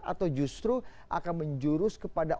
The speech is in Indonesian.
atau justru akan menjurus kepada